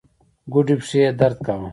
ګوډې پښې يې درد کاوه.